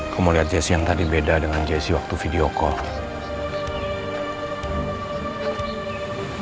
kamu mau lihat jessi yang tadi beda dengan jessi waktu video call